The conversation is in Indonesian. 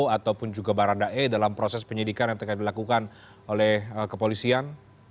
ataupun juga baradae dalam proses penyidikan yang tengah dilakukan oleh kepolisian